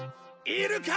いるか？